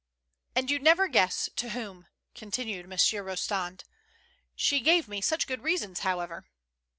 "And you'd never guess to whom," continued Mon sieur Eostand. " She gave me such good reasons, how ever."